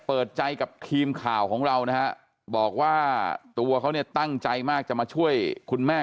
เปิดใจกับทีมข่าวของเรานะฮะบอกว่าตัวเขาเนี่ยตั้งใจมากจะมาช่วยคุณแม่